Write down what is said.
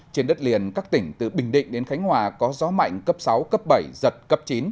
trên đất liền các tỉnh từ bình định đến khánh hòa có gió mạnh cấp sáu cấp bảy giật cấp chín